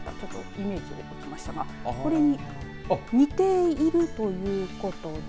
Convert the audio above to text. イメージが出てきましたがこれに似ているということです。